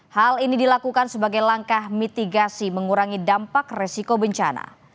hal ini dilakukan sebagai langkah mitigasi mengurangi dampak resiko bencana